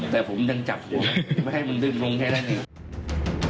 แต่ผมยังจับผมไม่ให้มันดึงลงแค่นั้นเอง